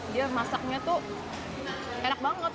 dia masaknya tuh enak banget